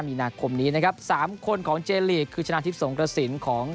มีนาคมนี้นะครับสามคนของเจลีกคือชนะทิพย์สงกระสินของ